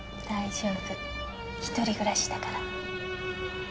大丈夫一人暮らしだから。